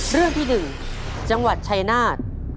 เรื่องที่๑จังหวัดชายนาฏ